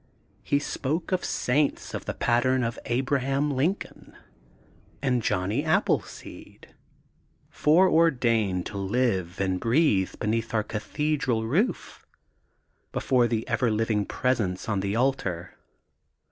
He spoke of saints of the pattern of Abraham Lincoln, and Johnny Appleseed, foreordained to live and breathe beneath our Cathedral roof, before the ever living presence on the altar.